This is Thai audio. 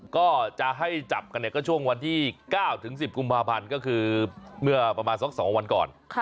ก็จะให้จับกันเนี่ยก็ช่วงวันที่๙ถึง๑๐กุมภาพันธ์ก็คือเมื่อประมาณสัก๒วันก่อน